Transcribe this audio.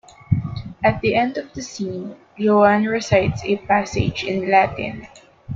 At the end of the scene, Joan recites a passage in Latin.